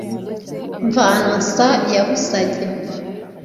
mvano-nsa ya busage